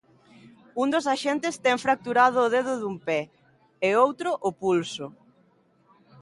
Un dos axentes ten fracturado o dedo dun pé e o outro o pulso.